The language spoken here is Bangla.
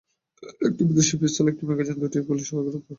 একটি বিদেশি পিস্তল, একটি ম্যাগাজিন এবং দুটি গুলিসহ তাঁকে গ্রেপ্তার করা হয়।